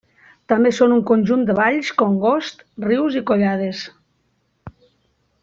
També són un conjunt de valls, congosts, rius i collades.